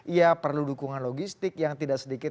ia perlu dukungan logistik yang tidak sedikit